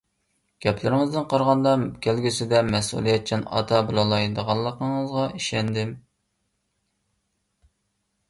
گەپلىرىڭىزدىن قارىغاندا كەلگۈسىدە مەسئۇلىيەتچان ئاتا بولالايدىغانلىقىڭىزغا ئىشەندىم.